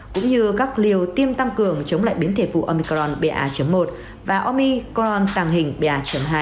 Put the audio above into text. cũng như các liều tiêm tăng cường chống lại biến thể vụ omicron ba một và omicron tàng hình ba hai